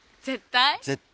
絶対？